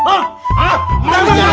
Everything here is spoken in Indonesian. ah bang bang